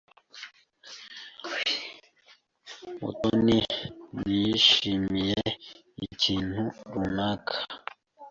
Mutoni ntiyishimiye ikintu runaka?